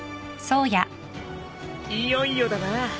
いよいよだな。